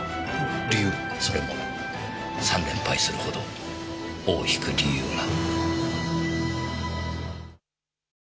それも三連敗するほど尾を引く理由が。